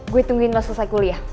gue tungguin los selesai kuliah